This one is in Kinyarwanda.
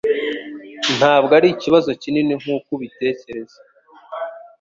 Ntabwo ari ikibazo kinini nkuko ubitekereza